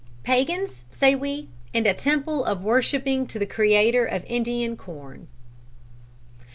Pæans, say we, and a temple of worshipping to the creator of Indian Corn!"